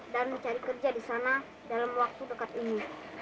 dan mencari kerja di sana dalam waktu dekat ini